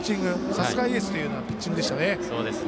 さすがエースというようなピッチングでしたね。